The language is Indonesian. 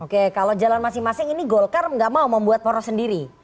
oke kalau jalan masing masing ini golkar nggak mau membuat poros sendiri